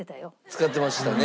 使ってましたね。